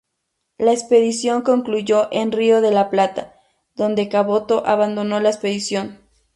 La expedición concluyó en Río de la Plata, donde Caboto abandonó la expedición.